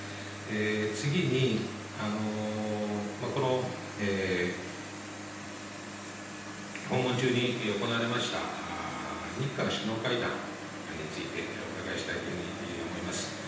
次に訪問中に行われました、日韓首脳会談についてお伺いしたいというふうに思います。